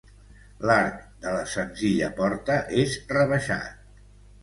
L'arc de la senzilla porta és rebaixat.